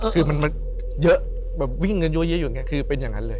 คือมันมาเยอะแบบวิ่งกันเยอะอยู่อย่างนี้คือเป็นอย่างนั้นเลย